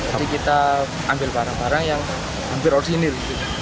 jadi kita ambil barang barang yang hampir original